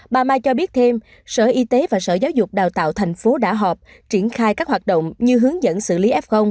bà mai cho biết thêm sở y tế và sở giáo dục đào tạo thành phố đã họp triển khai các hoạt động như hướng dẫn xử lý f